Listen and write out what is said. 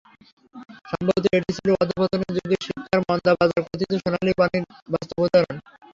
সম্ভবত এটিই ছিল অধঃপতনের যুগে শিক্ষার মন্দা বাজার কথিত সোনালি বাণীর বাস্তব উদাহরণ।